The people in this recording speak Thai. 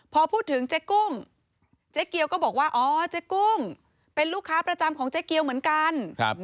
พอพูดถึงเจ๊กุ้งเจ๊เกียวก็บอกว่าอ๋อเจ๊กุ้งเป็นลูกค้าประจำของเจ๊เกียวเหมือนกัน